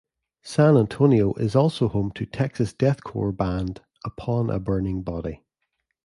San Antonio is also home to Texas Death core band Upon A Burning Body.